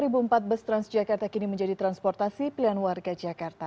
bus transjakarta kini menjadi transportasi pilihan warga jakarta